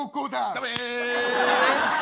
ダメ！